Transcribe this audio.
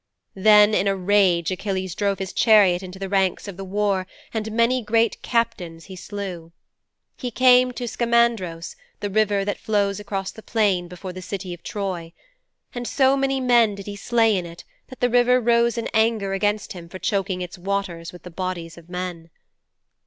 'Then in a rage Achilles drove his chariot into the ranks of the war and many great captains he slew. He came to Skamandros, the river that flows across the plain before the city of Troy. And so many men did he slay in it that the river rose in anger against him for choking its waters with the bodies of men.'